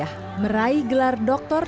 dan kekinian fakultas kesehatan agung industri